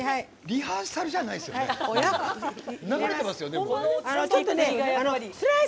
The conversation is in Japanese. リハーサルじゃないですよね。